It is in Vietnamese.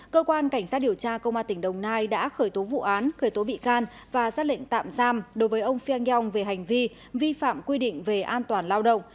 cơ quan cảnh sát điều tra công an tỉnh đồng nai đã khởi tố vụ án khởi tố bị can và xác lệnh tạm giam đối với ông phiang yong về hành vi vi phạm quy định về an toàn lao động